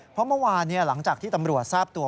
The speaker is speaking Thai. เพราะเมื่อวานหลังจากที่ตำรวจทราบตัว